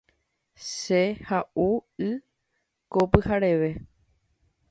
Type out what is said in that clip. Che ha’u y ko pyhareve.